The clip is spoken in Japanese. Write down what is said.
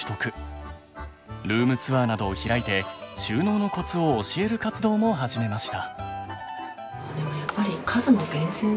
ルームツアーなどを開いて収納のコツを教える活動も始めました。